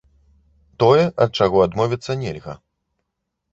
Тое, ад чаго адмовіцца нельга.